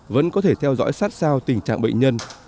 vẫn có thể theo dõi sát sao tình trạng bệnh nhân